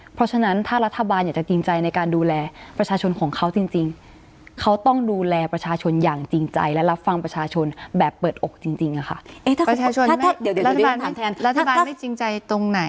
เพราะฉะนั้นถ้ารัฐบาลอยากจะจริงใจในการดูแลประชาชนของเขาจริงเขาต้องดูแลประชาชนอย่างจริงใจและรับฟังประชาชนแบบเปิดอกจริงอะค่ะ